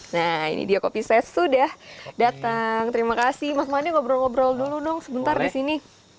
nah ini dia kopi saya sudah datang terima kasih mas mandi ngobrol ngobrol dulu dong sebentar di sini